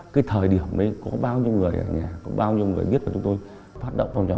cái thời điểm đấy có bao nhiêu người ở nhà có bao nhiêu người biết là chúng tôi phát động phong trào